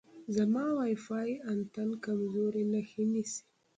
زما وای فای انتن کمزورې نښې نیسي.